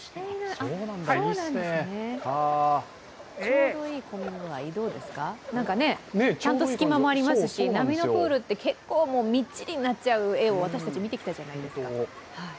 ちょうどいい混み具合、ちゃんと隙間もありますし、波のプールって結構みっちりになっちゃう画を私たち、見てきたじやないですか。